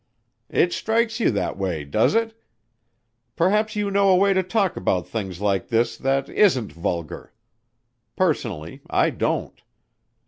"It strikes you that way, does it? Perhaps you know a way to talk about things like this that isn't vulgar. Personally, I don't.